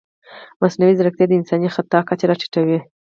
مصنوعي ځیرکتیا د انساني خطا کچه راټیټوي.